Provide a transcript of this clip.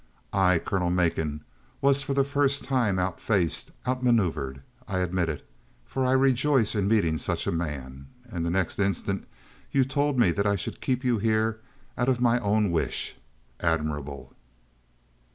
I, Colonel Macon, was for the first time outfaced, out maneuvered. I admit it, for I rejoice in meeting such a man. And the next instant you told me that I should keep you here out of my own wish! Admirable!"